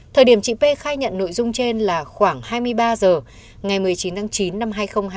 thời điểm chị p khai nhận nội dung trên là khoảng hai mươi ba h ngày một mươi chín tháng chín năm hai nghìn hai mươi ba